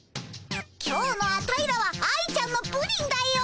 今日のアタイらは愛ちゃんのプリンだよ。